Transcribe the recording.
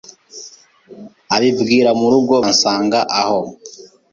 abibwira mu rugo baraza bansanga aho,